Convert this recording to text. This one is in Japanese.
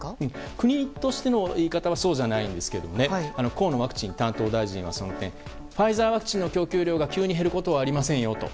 国としての言い方はそうじゃないんですが河野ワクチン担当大臣はその件ファイザーワクチンの供給量が急に減ることはありませんよと。